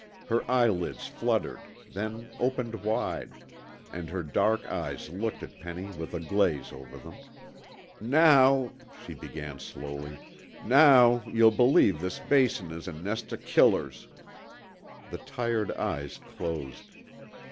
Her eyelids fluttered, then opened wide, and her dark eyes looked at Penny with a glaze over them. "Now," she began slowly, "now you'll believe this Basin is a nest o' killers." The tired eyes closed.